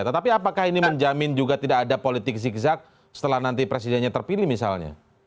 tetapi apakah ini menjamin juga tidak ada politik zigzag setelah nanti presidennya terpilih misalnya